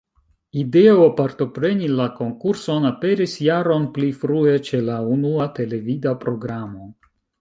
Ideo partopreni la konkurson aperis jaron pli frue, ĉe la unua televida programo.